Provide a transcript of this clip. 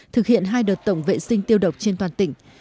thực hiện hai đợt tổng vệ sinh tiêu độc trên toàn tỉnh